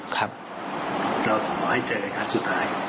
เราขอให้เจอกันครั้งสุดท้าย